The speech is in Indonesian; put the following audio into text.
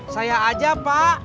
saya aja pak